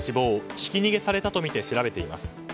ひき逃げされたとみて調べています。